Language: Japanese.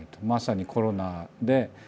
まさにコロナで。